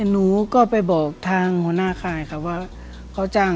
นุก็ไปบอกทางหัวหน้าข้ายค่ะว่า